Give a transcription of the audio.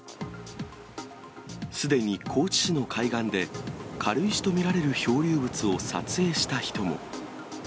すでに高知市の海岸で、軽石と見られる漂流物を撮影した人も。